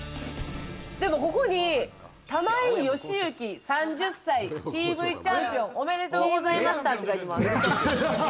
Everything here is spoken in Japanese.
でもここに玉井禎晋３０歳、ＴＶチャンピオン、おめでとうございましたって書いてます。